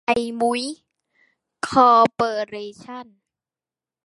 ไทยมุ้ย คอร์ปอเรชั่น